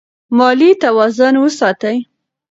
مالي توازن وساتئ.